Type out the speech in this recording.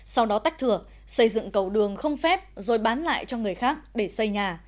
sau đó tách thửa xây dựng cầu đường không phép rồi bán lại cho người khác để xây nhà